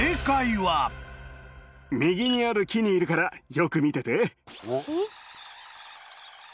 右にある木にいるからよく見てて。